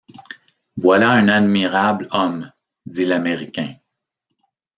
Voilà un admirable homme, dit l’américain.